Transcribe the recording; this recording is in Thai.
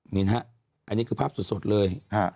นี่นะฮะอันนี้คือภาพสดเลย